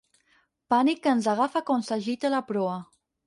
Pànic que ens agafa quan s'agita la proa.